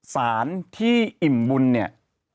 สารที่อิ่มบุญเนี่ย